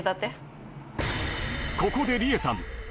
［ここで莉瑛さん